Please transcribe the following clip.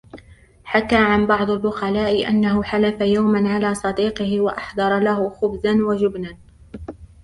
حكى عن بعض البخلاء أنه حلف يوماً على صديقه وأحضر له خبزاً وجبناً